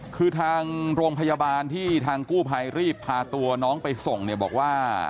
คือทางโรงพยาบาลที่ทางกู้ภัยรีบพาตัวน้องไปส่งเนี่ยบอกว่า